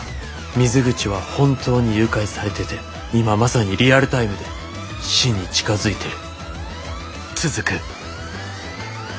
水口は本当に誘拐されてて今まさにリアルタイムで死に近づいてる。